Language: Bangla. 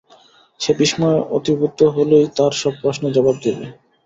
সে বিস্ময়ে অভিভূত হলেই তাঁর সব প্রশ্নের জবাব দেবে।